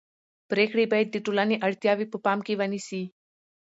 پرېکړې باید د ټولنې اړتیاوې په پام کې ونیسي